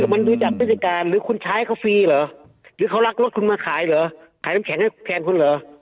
มันดูจากพฤติการหรือคุณใช้เขาฟรีเหรอหรือเขารักรถคุณมาขายเหรอขายน้ำแข็งให้แทนคุณเหรอ